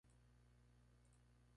La flor de color pardo a verde limón.